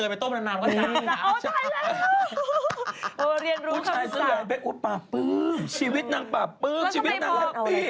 อุ๊บบ้าปึ้งชีวิตนางบ้าปึ้งชีวิตนางแฟปปี้